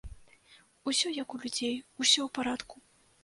Усё як у людзей, усё ў парадку.